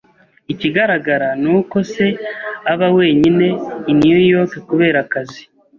Ikigaragara ni uko se aba wenyine i New York kubera akazi.